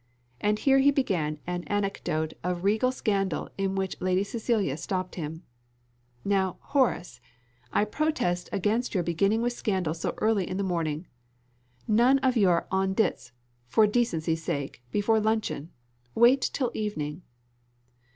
And here he began an anecdote of regal scandal in which Lady Cecilia stopped him "Now, Horace, I protest against your beginning with scandal so early in the morning. None of your on dits, for decency's sake, before luncheon; wait till evening."